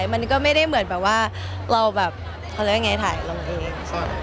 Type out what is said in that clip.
มันก็ไม่ได้เหมือนแบบว่าเราแบบเขาเรียกยังไงถ่ายลงเอง